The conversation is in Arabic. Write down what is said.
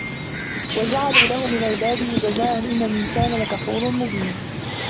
وجعلوا له من عباده جزءا إن الإنسان لكفور مبين